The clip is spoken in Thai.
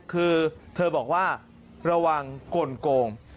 คือเธอบอกว่าระวังกลโกง